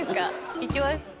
行きます。